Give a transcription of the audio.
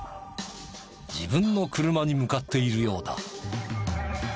自分の車に向かっているようだ。